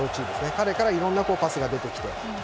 彼からいろんなパスが出てきて。